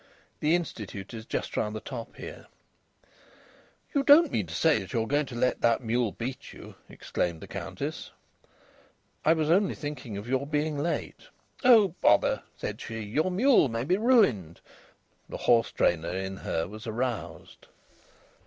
The Institute is just round the top here." "You don't mean to say you're going to let that mule beat you?" exclaimed the Countess. "I was only thinking of your being late." "Oh, bother!" said she. "Your mule may be ruined." The horse trainer in her was aroused.